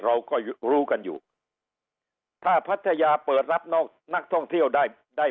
เราก็รู้กันอยู่ถ้าพัทยาเปิดรับนอกนักท่องเที่ยวได้ได้